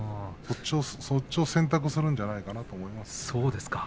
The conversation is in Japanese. そっちを選択するんじゃないかなと思います。